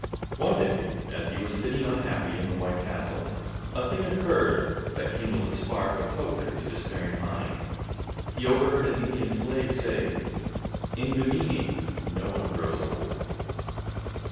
One day as he was sitting unhappy in the White Castle, a thing occurred that kindled a spark of hope in his despairing mind. He over heard an Indian slave say, " In Bimini no one grows old.""